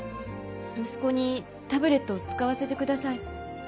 息子にタブレットを使わせてください。